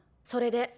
それで。